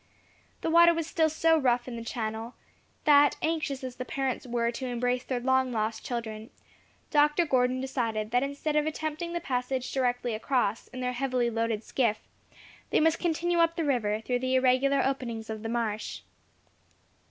The water was still so rough in the channel, that, anxious as the parents were to embrace their long lost children, Dr. Gordon decided that instead of attempting the passage directly across, in their heavily loaded skiff, they must continue up the river, through the irregular openings of the marsh.